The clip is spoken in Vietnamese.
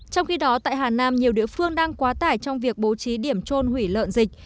trong khi đó tại hà nam nhiều địa phương đang quá tải trong việc bố trí điểm trôn hủy lợn dịch